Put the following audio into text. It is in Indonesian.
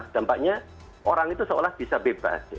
dampaknya orang itu seolah bisa bebas